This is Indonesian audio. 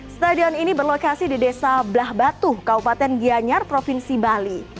stadion ini berlokasi di desa blah batu kabupaten gianyar provinsi bali